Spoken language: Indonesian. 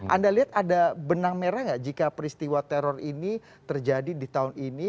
anda lihat ada benang merah nggak jika peristiwa teror ini terjadi di tahun ini